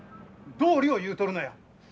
道理を言うとるのや。